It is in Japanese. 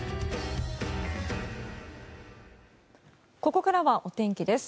ここからはお天気です。